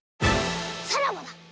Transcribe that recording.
さらばだ！